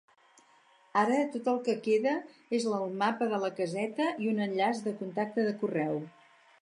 Ara, tot el que queda és el "mapa de la caseta" i un enllaç de contacte de correu.